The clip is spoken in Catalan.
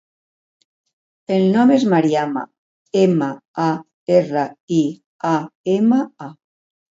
El nom és Mariama: ema, a, erra, i, a, ema, a.